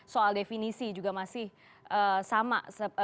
soal definisi juga masih sama